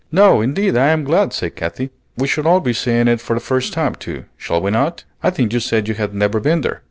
"No, indeed, I am glad," said Katy; "we shall all be seeing it for the first time, too, shall we not? I think you said you had never been there."